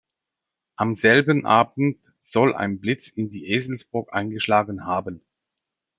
Am selben Abend soll ein Blitz in die Eselsburg eingeschlagen haben.